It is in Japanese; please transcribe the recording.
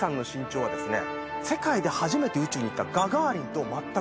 世界で初めて宇宙に行った。